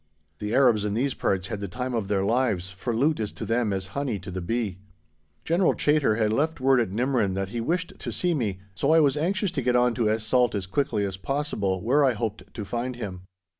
The Arabs in these parts had the time of their lives, for loot is to them as honey to the bee. General Chaytor had left word at Nimrin that he wished to see me, so I was anxious to get on to Es Salt as quickly as possible, where I hoped to find him.